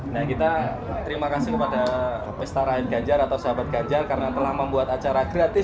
nah kita terima kasih kepada pesta rakyat ganjar atau sahabat ganjar karena telah membuat acara gratis